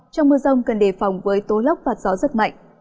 trong mưa rông cần đề phòng với tố lốc và gió rất mạnh